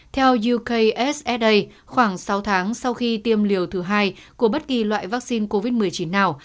theo yokssa khoảng sáu tháng sau khi tiêm liều thứ hai của bất kỳ loại vaccine covid một mươi chín nào